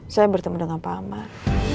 saya bertemu dengan pak amar